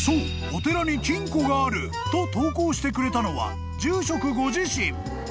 お寺に金庫があると投稿してくれたのは住職ご自身］